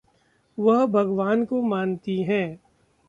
वह भगवान को मानती है।